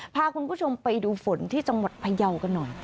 พาคุณผู้ชมไปดูฝนที่จังหวัดพยาวกันหน่อย